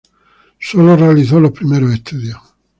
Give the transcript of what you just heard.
Sólo realizó los primeros estudios.